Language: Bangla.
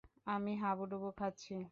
আমি হাবুডুবু খাচ্ছি।